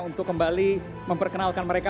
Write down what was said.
untuk kembali memperkenalkan mereka